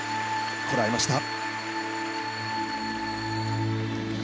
こらえました。